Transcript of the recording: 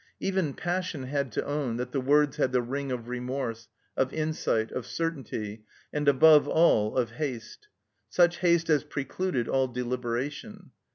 Even passion had to own that the words had the ring of remorse, of insight, of certainty, and, above all, of haste. Such haste as precluded all deliberation.